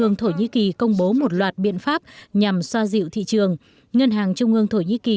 ương thổ nhĩ kỳ công bố một loạt biện pháp nhằm xoa dịu thị trường ngân hàng trung ương thổ nhĩ kỳ